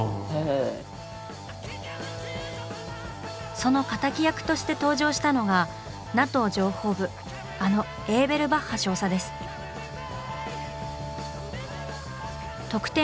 その敵役として登場したのがＮＡＴＯ情報部あのエーベルバッハ少佐です。